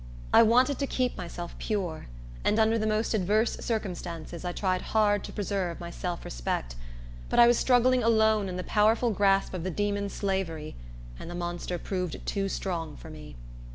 I wanted to keep myself pure; and, under the most adverse circumstances, I tried hard to preserve my self respect; but I was struggling alone in the powerful grasp of the demon Slavery; and the monster proved too strong for me.